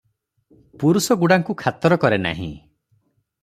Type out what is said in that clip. ପୁରୁଷଗୁଡ଼ାଙ୍କୁ ଖାତର କରେ ନାହିଁ ।